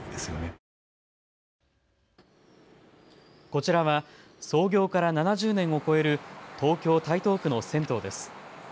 こちらは創業から７０年を超える東京台東区の銭湯です。